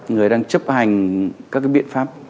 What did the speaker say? người đang chấp hành các biện pháp